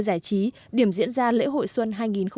giải trí điểm diễn ra lễ hội xuân